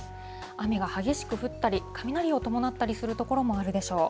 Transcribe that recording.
雨が激しく降ったり、雷を伴ったりする所もあるでしょう。